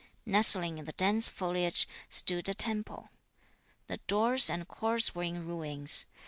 Nestling in the dense foliage stood a temple. The doors and courts were in ruins.